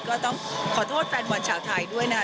ก็ต้องขอโทษแฟนบอลชาวไทยด้วยนะคะ